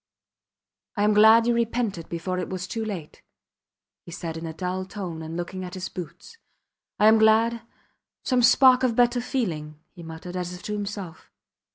I am glad you repented before it was too late, he said in a dull tone and looking at his boots. I am glad ... some spark of better feeling, he muttered, as if to himself.